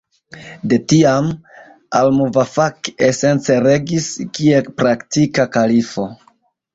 De tiam, al-Muvafak esence regis kiel praktika kalifo.